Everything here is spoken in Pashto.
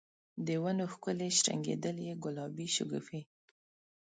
د ونو ښکلي شرنګیدلي ګلابې شګوفي